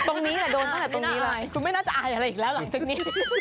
ตรงนี้ละคุณไม่น่าจะอายอะไรก็กันแล้วหลังจากนี้